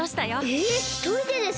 えっひとりでですか？